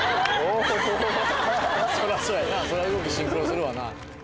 そりゃそやな動きシンクロするわな。